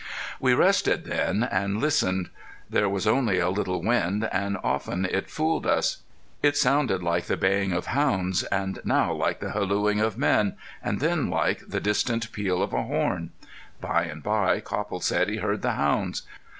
We rested then, and listened. There was only a little wind, and often it fooled us. It sounded like the baying of hounds, and now like the hallooing of men, and then like the distant peal of a horn. By and bye Copple said he heard the hounds.